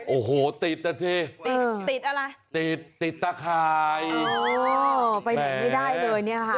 โอ้โหติดอะสิติดอะไรติดตาข่ายโอ้ไปเห็นไม่ได้เลยเนี้ยค่ะ